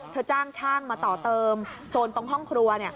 เธอจ้างช่างมาต่อเติมโซนตรงห้องครัวเนี้ย